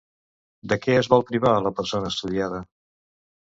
De què es vol privar a la persona estudiada?